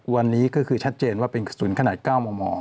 วันนี้ก็คือชัดเจนว่าเป็นกระสุนขนาด๙มม